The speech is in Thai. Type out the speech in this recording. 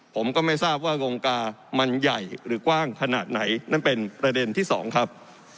ผมก็ไม่ทราบว่าวงกามันใหญ่หรือกว้างขนาดไหนนั่นเป็นประเด็นที่สองครับ